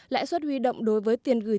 lãi suất huy động đối với tiền gửi tiền đồng